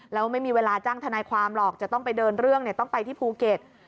แล้วไม่มีเวลาจ้างทนายความหรอกจะต้องไปเดินเรื่องต้องไปที่ภูเก็ต